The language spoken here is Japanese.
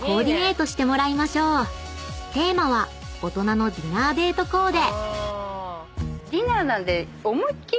［テーマは大人のディナーデートコーデ］